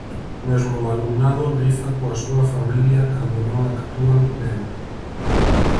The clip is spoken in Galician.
Mesmo o alumnado rifa coa súa familia cando non actúan ben!